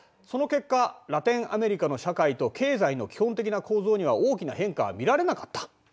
その結果ラテンアメリカの社会と経済の基本的な構造には大きな変化は見られなかった。